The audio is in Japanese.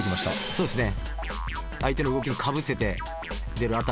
そうですね